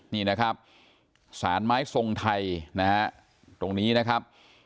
นี่นะครับสารไม้ทรงไทยนะฮะตรงนี้นะครับ